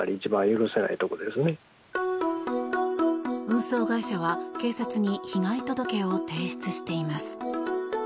運送会社は、警察に被害届を提出しています。